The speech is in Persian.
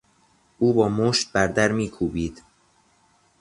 او با مشت بر در میکوبید.